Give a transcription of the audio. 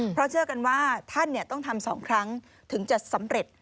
เพราะเชื่อกันว่าท่านต้องทำ๒ครั้งถึงจะสำเร็จ